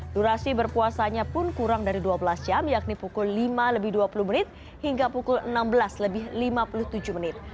durasi berpuasanya pun kurang dari dua belas jam yakni pukul lima lebih dua puluh menit hingga pukul enam belas lebih lima puluh tujuh menit